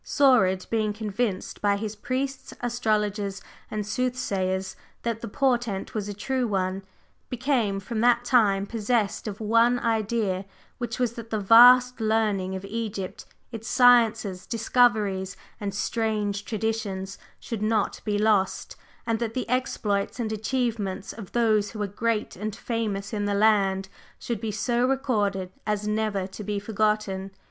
Saurid, being convinced by his priests, astrologers and soothsayers that the portent was a true one, became from that time possessed of one idea, which was that the vast learning of Egypt, its sciences, discoveries and strange traditions should not be lost, and that the exploits and achievements of those who were great and famous in the land should be so recorded as never to be forgotten.